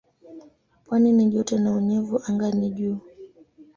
Pwani ni joto na unyevu anga ni juu.